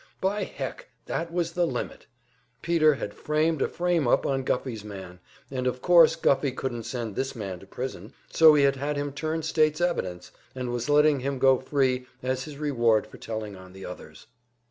By heck, that was the limit! Peter had framed a frame up on Guffey's man, and of course Guffey couldn't send this man to prison; so he had had him turn state's evidence, and was letting him go free, as his reward for telling on the others!